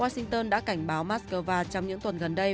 washington đã cảnh báo moscow trong những tuần gần đây